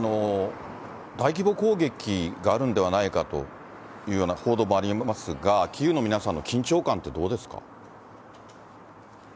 大規模攻撃があるんではないかというような報道もありますが、キーウの皆さんの緊張感ってどうですか。